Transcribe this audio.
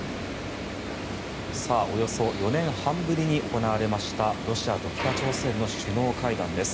およそ４年半ぶりに行われましたロシアと北朝鮮の首脳会談です。